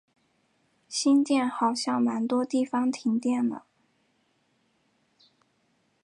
新店好像蛮多地方停电了